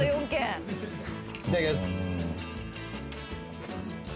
いただきます。